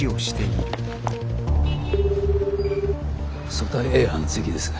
組対Ａ班関です。